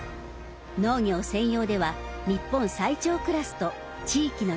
農業専用では日本最長クラスと地域の自慢です。